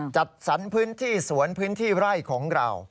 จัดสรรพื้นที่สวนพื้นที่ไร่ของเรา